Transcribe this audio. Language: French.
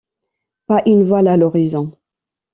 Pas une voile à l'horizon.